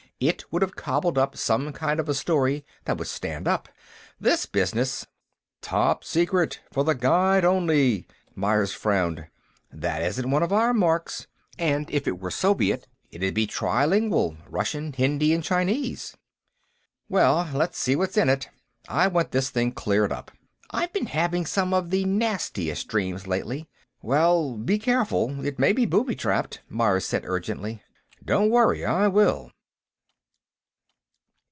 "It would have cobbled up some kind of a story that would stand up. This business...." "Top Secret! For the Guide Only!" Myers frowned. "That isn't one of our marks, and if it were Soviet, it'd be tri lingual, Russian, Hindi and Chinese." "Well, let's see what's in it. I want this thing cleared up. I've been having some of the nastiest dreams, lately...." "Well, be careful; it may be booby trapped," Myers said urgently. "Don't worry; I will."